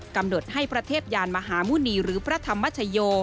กำหนดให้พระเทพยานมหาหมุณีหรือพระธรรมชโย